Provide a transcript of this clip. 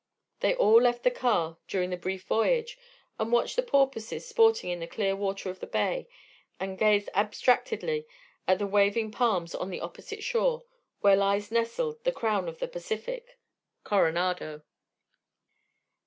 They all left the car during the brief voyage and watched the porpoises sporting in the clear water of the bay and gazed abstractedly at the waving palms on the opposite shore, where lies nestled "the Crown of the Pacific" Coronado.